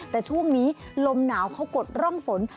แต่ช่วงนี้ลมหนาวเขากดร่องฝน